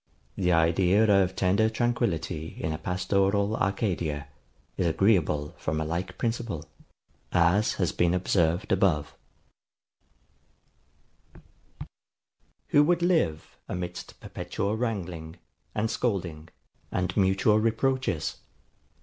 The idea of tender tranquillity in a pastoral Arcadia is agreeable from a like principle, as has been observed above. [Footnote: Sect. v. Part 2.] Who would live amidst perpetual wrangling, and scolding, and mutual reproaches?